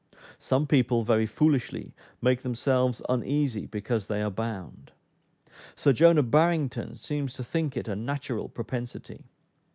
Some people, very foolishly, make themselves uneasy because they are bound. Sir Jonah Barrington seems to think it a natural propensity.